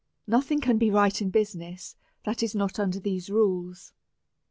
Nothing can be right in business that is not under these rules.